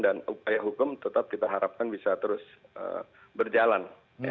dan jalan yang hukum tetap kita harapkan bisa terus berjalan